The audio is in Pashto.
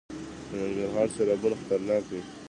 د ننګرهار سیلابونه خطرناک دي؟